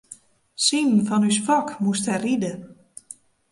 Simen fan ús Fok moast dêr ride.